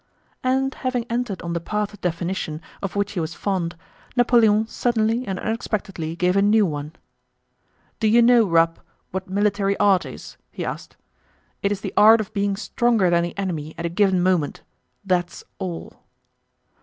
And having entered on the path of definition, of which he was fond, Napoleon suddenly and unexpectedly gave a new one. "Do you know, Rapp, what military art is?" asked he. "It is the art of being stronger than the enemy at a given moment. That's all."